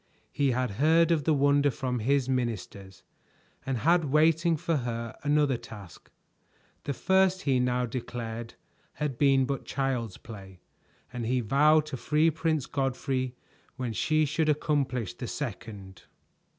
He had heard of the wonder from his ministers and had waiting for her another task. The first he now declared had been but child's play, and he vowed to free Prince Godfrey when she should accomplish the second.